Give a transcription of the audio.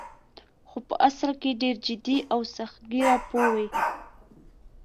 خو په اصل کې ډېر جدي او سخت ګیره پوه وې.